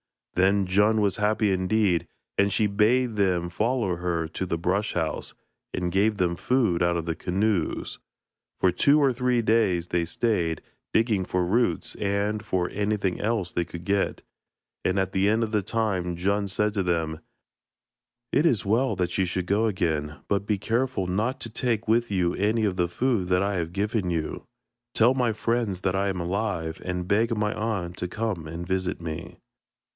Then Djun was happy indeed, and she bade them follow her to the brush house, and gave them food out of the canoes; for two or three days they stayed, digging for roots and for anything else they could get, and at the end of the time Djun said to them: 'It is well that you should go again, but be careful not to take with you any of the food that I have given you. Tell my friends that I am alive, and beg my aunt to come and visit me.'